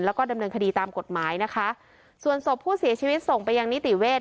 แล้วก็ดำเนินคดีตามกฎหมายนะคะส่วนศพผู้เสียชีวิตส่งไปยังนิติเวศ